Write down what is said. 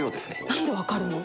なんで分かるの？